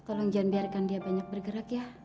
tolong jangan biarkan dia banyak bergerak ya